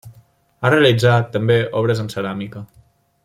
Ha realitzat, també, obres en ceràmica.